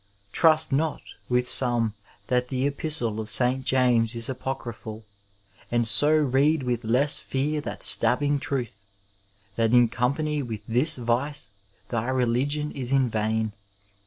Trust not with some that the Epistle of St. James is apocryphal, and so read with less fear that stabbiog truth, that in company with this vice thy religion is in vain.